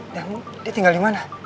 dia tinggal dimana